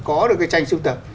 có được cái tranh siêu tập